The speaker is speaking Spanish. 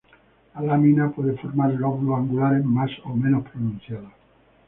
La lámina puede formar lóbulos angulares más o menos pronunciados.